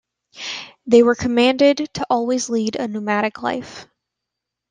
They were commanded to always lead a nomadic life.